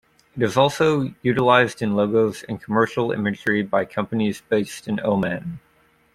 It is also utilized in logos and commercial imagery by companies based in Oman.